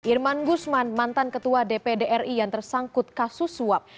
irman guzman mantan ketua dpdri yang tersangkut kasus suap